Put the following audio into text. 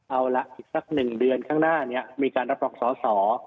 เอาละอีกสัก๑เดือนข้างหน้านี้มีการรับรองสอสอ